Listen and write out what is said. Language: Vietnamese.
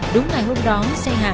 đúng ngày hôm đó xây hạ